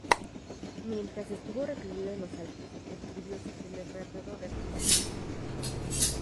Mientras estuvo recluido en los Alpes escribió su primer tratado de astronomía.